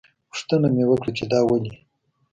پوښتنه مې وکړه چې دا ولې.